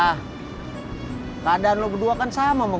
eh apa dancer kita bisa mee